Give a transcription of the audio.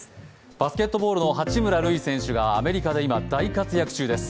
バスケットボールの八村塁選手が今、アメリカで大活躍中です。